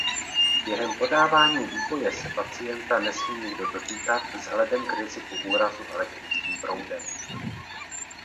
Během podávání výboje se pacienta nesmí nikdo dotýkat vzhledem k riziku úrazu elektrickým proudem.